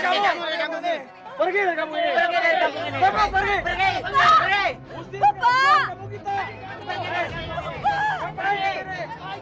kabur kabur kabur kabur kabur kabur kabur kabur kabur kabur kabur kabur kabur kabur ke bemol belong